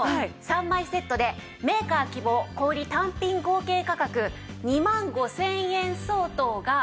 ３枚セットでメーカー希望小売単品合計価格２万５０００円相当が。